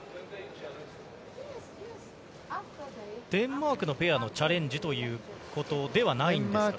デンマークのペアのチャレンジということではないんですよね。